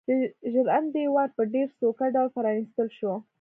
د ژرندې ور په ډېر سوکه ډول پرانيستل شو.